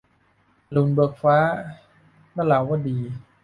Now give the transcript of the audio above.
อรุณเบิกฟ้า - นราวดี